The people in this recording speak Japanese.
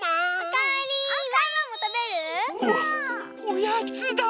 おやつだ！